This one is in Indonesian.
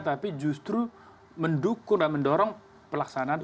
tapi justru mendukung dan mendorong pelaksanaan program program pemerintah